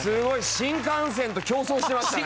新幹線と競走してましたね。